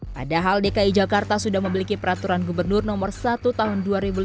padahal dki jakarta sudah memiliki peraturan gubernur no satu tahun dua ribu lima belas